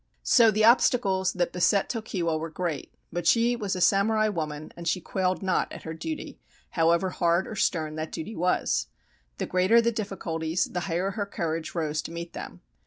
So the obstacles that beset Tokiwa were great; but she was a samurai woman, and she quailed not at duty, however hard or stern that duty was. The greater the difficulties, the higher her courage rose to meet them.